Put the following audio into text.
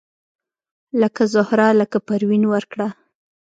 لکه زهره لکه پروین ورکړه